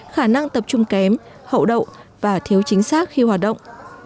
khả năng tập trung kém hậu đậu và thiếu chính xác khi hoạt động